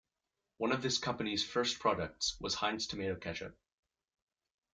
One of this company's first products was Heinz Tomato Ketchup.